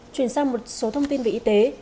chuyển sang một số thông tin về y tế